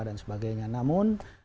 dan sebagainya namun